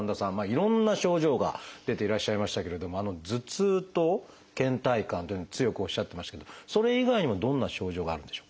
いろんな症状が出ていらっしゃいましたけれども頭痛とけん怠感というのを強くおっしゃってましたけどそれ以外にもどんな症状があるんでしょうか？